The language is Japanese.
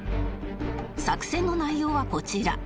作戦の内容はこちら